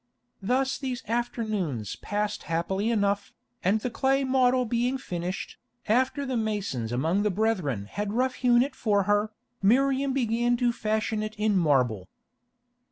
Thus these afternoons passed happily enough, and the clay model being finished, after the masons among the brethren had rough hewn it for her, Miriam began to fashion it in marble.